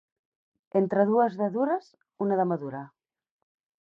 Entre dues de dures, una de madura.